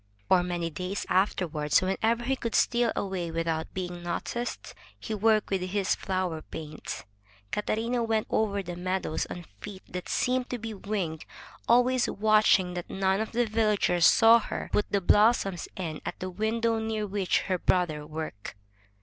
For many days afterward, whenever he could steal away without being noticed, he worked with his flower paints. Cata rina went over the meadows on feet that seemed to be winged, always watching that none of the villagers saw her put the blossoms in at the window near which her brother worked.